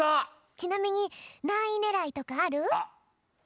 ちなみになんいねらいとかある？